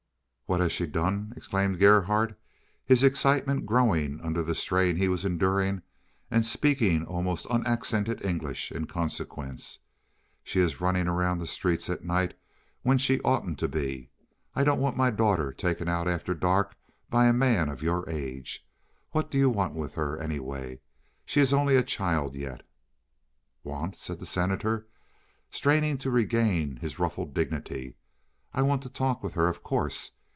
"What has she done!" exclaimed Gerhardt, his excitement growing under the strain he was enduring, and speaking almost unaccented English in consequence. "She is running around the streets at night when she oughtn't to be. I don't want my daughter taken out after dark by a man of your age. What do you want with her anyway? She is only a child yet." "Want!" said the Senator, straining to regain his ruffled dignity. "I want to talk with her, of course.